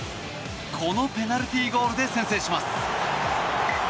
このペナルティーゴールで先制します。